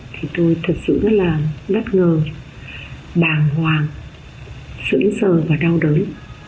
thì tôi thật sự rất là bất ngờ bàng hoàng sững sờ và đau đớn